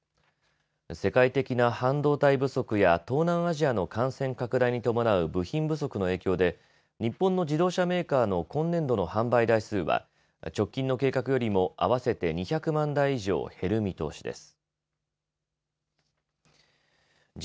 世界的な半導体不足や東南アジアの感染拡大に伴う部品不足の影響で日本の自動車メーカーの今年度の販売台数は直近の計画よりも合わせて２００万台以上減る見通しです。